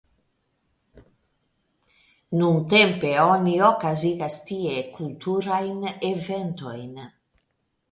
Nuntempe oni okazigas tie kulturajn eventojn.